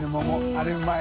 あれうまい。